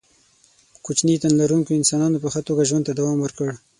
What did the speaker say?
کوچني تن لرونکو انسانانو په ښه توګه ژوند ته دوام ورکړ.